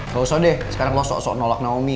gak usah deh sekarang lo sok sok nolak naomi